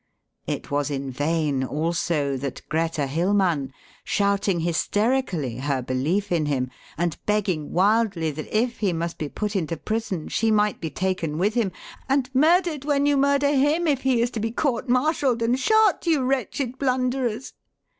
It was in vain, also, that Greta Hilmann shouting hysterically her belief in him and begging wildly that if he must be put into prison she might be taken with him "and murdered when you murder him if he is to be court martialled and shot, you wretched blunderers!"